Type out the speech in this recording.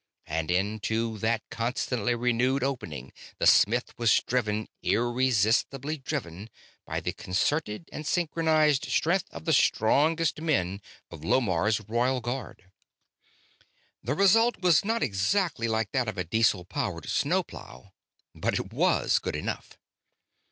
And into that constantly renewed opening the smith was driven irresistibly driven by the concerted and synchronized strength of the strongest men of Lomarr's Royal Guard. The result was not exactly like that of a diesel powered snowplow, but it was good enough.